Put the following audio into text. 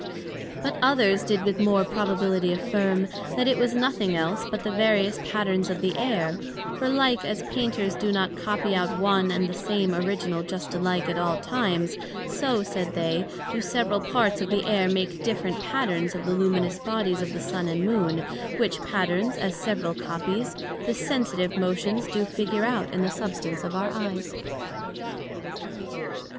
But others did with more probability affirm, that it was nothing else but the various patterns of the Air; for like as Painters do not copy out one and the same original just alike at all times; so, said they, do several parts of the Air make different patterns of the luminous Bodies of the Sun and Moon: which patterns, as several copies, the sensitive motions do figure out in the substance of our eyes.